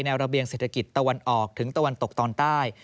ระเบียงเศรษฐกิจตะวันออกถึงตะวันตกตอนใต้